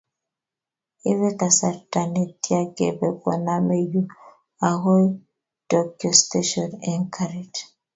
ibe kasarta ne tya kebe koname yu agoi Tokyo station Eng' karit